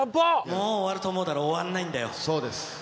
もう終わると思うだろ終わんないんだよ。